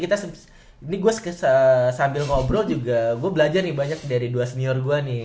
ini gue sambil ngobrol juga gue belajar nih banyak dari dua senior gue nih